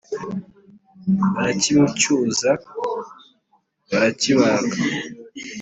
barakimucyuza, barakibaga,